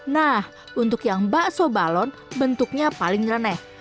nah untuk yang bakso balon bentuknya paling reneh